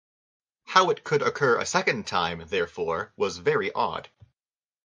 How it could occur a second time, therefore, was very odd!